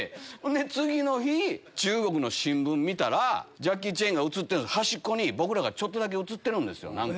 で次の日中国の新聞見たらジャッキー・チェンが写ってる端っこに僕らがちょっとだけ写ってる。